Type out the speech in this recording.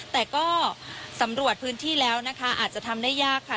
แต่ก็สำรวจพื้นที่แล้วนะคะอาจจะทำได้ยากค่ะ